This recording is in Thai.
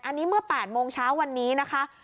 อันนี้เมื่อ๘โมงเช้าวันนี้นะคะ